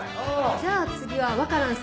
じゃあ次はワカランさん。